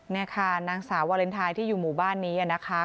นี่ค่ะนางสาววาเลนไทยที่อยู่หมู่บ้านนี้นะคะ